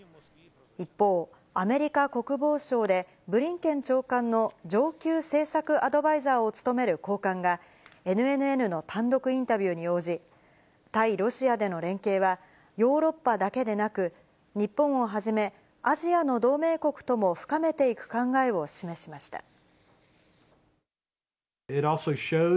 一方、アメリカ国防省で、ブリンケン長官の上級政策アドバイザーを務める高官が、ＮＮＮの単独インタビューに応じ、対ロシアでの連携は、ヨーロッパだけでなく、日本をはじめ、アジアの同盟国とも深めていく考えを示しました。